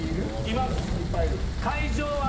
います。